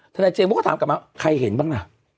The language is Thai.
นายเจมส์เขาก็ถามกลับมาใครเห็นบ้างล่ะ